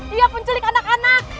dia penculik anak anak